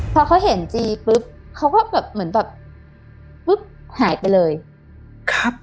พอเขาเห็นจีปุ๊บเขาก็แบบเหมือนแบบปุ๊บหายไปเลยครับ